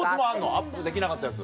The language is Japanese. アップできなかったやつ。